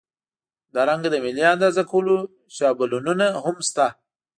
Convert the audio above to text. همدارنګه د ملي اندازه کولو شابلونونه هم شته.